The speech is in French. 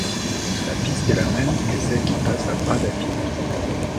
La piste est la même que celle qui passe à Bras d'Apic.